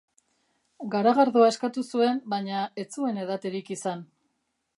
Garagardoa eskatu zuen baina ez zuen edaterik izan.